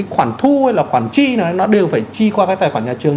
khoản thu hay là khoản chi này nó đều phải chi qua cái tài khoản nhà trường